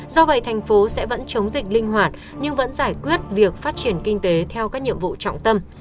do vậy thành phố sẽ vẫn chống dịch linh hoạt nhưng vẫn giải quyết việc phát triển kinh tế theo các nhiệm vụ trọng tâm